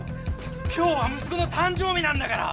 今日はむすこのたん生日なんだから！